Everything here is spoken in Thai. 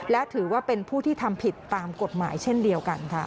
และถือว่าเป็นผู้ที่ทำผิดตามกฎหมายเช่นเดียวกันค่ะ